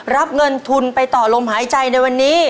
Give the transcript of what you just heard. รับเงินทุนไปต่อลมหายใจในวันนี้